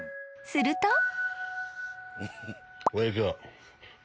［すると］